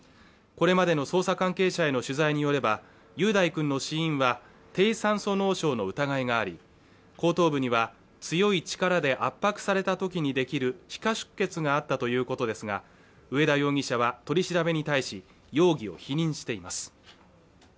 これまでの捜査関係者への取材によれば雄大君の死因は低酸素脳症の疑いがあり後頭部には強い力で圧迫された時にできる皮下出血があったということですが上田容疑者は取り調べに対し容疑を否認しています